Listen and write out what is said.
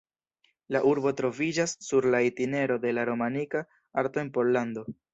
La urbo troviĝas sur la itinero de la romanika arto en Pollando.